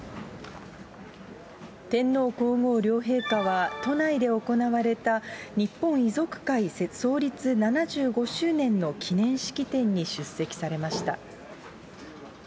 天皇皇后両陛下は、都内で行われた日本遺族会創立７５周年の記念式典に出席されました。